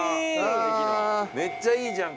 めっちゃいいじゃん